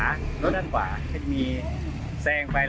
ก็เป็นอีกหนึ่งเหตุการณ์ที่เกิดขึ้นที่จังหวัดต่างปรากฏว่ามีการวนกันไปนะคะ